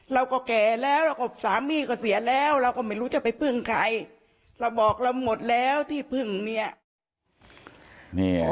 เราก็แก่แล้วแล้วก็สามีก็เสียแล้วเราก็ไม่รู้จะไปพึ่งใครเราบอกเราหมดแล้วที่พึ่งเนี่ย